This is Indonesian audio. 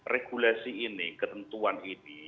regulasi ini ketentuan ini